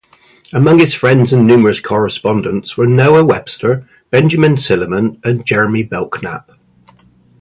Among his friends and numerous correspondents were Noah Webster, Benjamin Silliman and Jeremy Belknap.